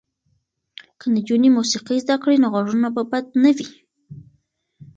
که نجونې موسیقي زده کړي نو غږونه به بد نه وي.